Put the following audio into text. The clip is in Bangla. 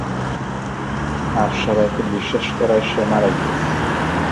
আর সবাইকে বিশ্বাস করায় সে মারা গিয়েছে।